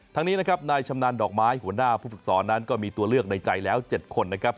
นี้นะครับนายชำนาญดอกไม้หัวหน้าผู้ฝึกสอนนั้นก็มีตัวเลือกในใจแล้ว๗คนนะครับ